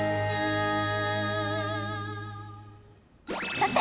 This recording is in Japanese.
さて。